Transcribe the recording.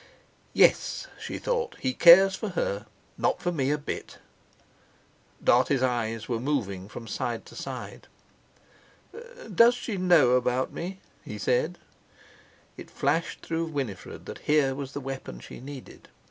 "Yes!" she thought, "he cares for her, not for me a bit." Dartie's eyes were moving from side to side. "Does she know about me?" he said. It flashed through Winifred that here was the weapon she needed.